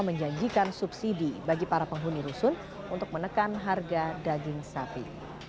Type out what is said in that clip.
menjanjikan subsidi bagi para penghuni rusun untuk menekan harga daging sapi